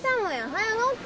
早乗って。